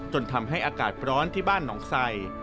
จนทำให้อากาศร้อนที่บ้านหนองไส